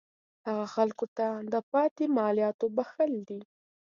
هغه خلکو ته د پاتې مالیاتو بخښل دي.